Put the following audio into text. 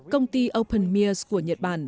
công ty open mears của nhật bản